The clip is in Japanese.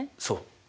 そう。